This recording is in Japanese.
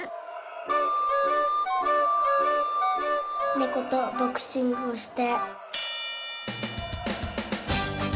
ねことボクシングをして。